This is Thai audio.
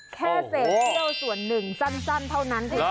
แค่เศรษฐ์ภิโร่ส่วนหนึ่งสั้นเท่านั้นเท่านั้นนะ